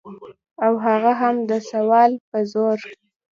او هغه هم د سوال په زور.